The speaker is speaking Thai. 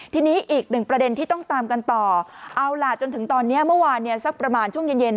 ทีนี้อีกหนึ่งประเด็นที่ต้องตามกันต่อเอาล่ะจนถึงตอนนี้เมื่อวานเนี่ยสักประมาณช่วงเย็น